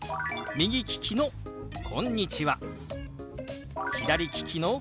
左利きの「こんにちは」。